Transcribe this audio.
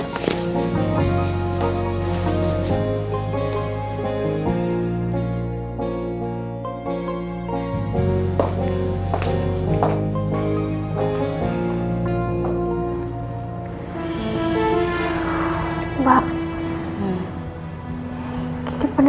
tunggu disini ya